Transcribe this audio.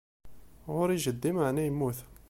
Ɣur-i jeddi meɛna yemmut.